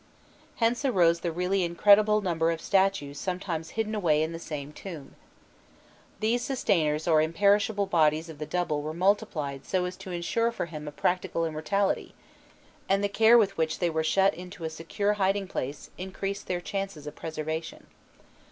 Hence arose the really incredible number of statues sometimes hidden away in the same tomb. These sustainers or imperishable bodies of the double were multiplied so as to insure for him a practical immortality; and the care with which they were shut into a secure hiding place, increased their chances of preservation.